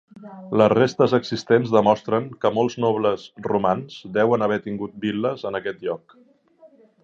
Les restes existents demostren que molts nobles romans deuen haver tingut vil·les en aquell lloc.